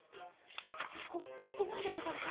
ねこおきてないでござるか？